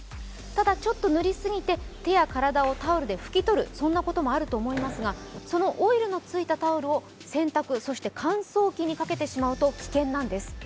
ただ塗りすぎて手や体をタオルで拭き取る、そんなこともあると思いますがそのオイルのついたタオルを洗濯、そして乾燥機にかけてしまうと危険なんです。